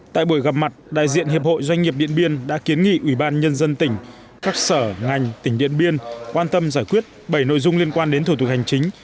tại buổi gặp mặt đại diện hiệp hội doanh nghiệp điện biên đã kiến nghị ubnd tỉnh các sở ngành tỉnh điện biên quan tâm giải quyết bảy nội dung liên quan đến thủ tục hành chính